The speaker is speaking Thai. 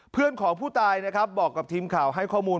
เพื่อนของผู้ตายนะครับบอกกับทีมข่าวให้ข้อมูล